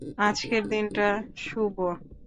আজকের দিনটা শুভ।